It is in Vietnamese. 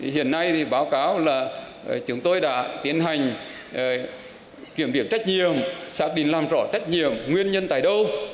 hiện nay thì báo cáo là chúng tôi đã tiến hành kiểm điểm trách nhiệm xác định làm rõ trách nhiệm nguyên nhân tại đâu